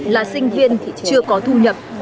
là sinh viên chưa có thu nhập